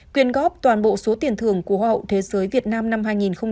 quyền góp toàn bộ số tiền thường của hoa hậu thế giới việt nam năm hai nghìn hai mươi ba